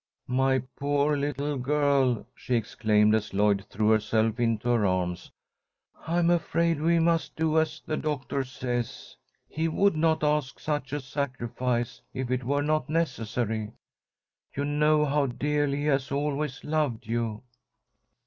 "My poor little girl," she exclaimed as Lloyd threw herself into her arms. "I'm afraid we must do as the doctor says. He would not ask such a sacrifice if it were not necessary. You know how dearly he has always loved you."